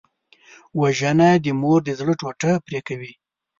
وژنه د مور د زړه ټوټه پرې کوي